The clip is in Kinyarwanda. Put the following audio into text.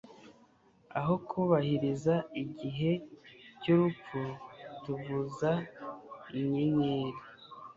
aho, kubahiriza igihe cyurupfu, tuvuza inyenyeri